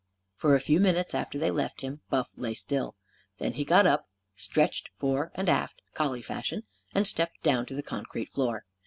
For a few minutes after they left him, Buff lay still. Then he got up, stretched fore and aft, collie fashion, and stepped down to the concrete floor.